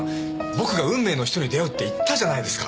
僕が運命の人に出会うって言ったじゃないですか。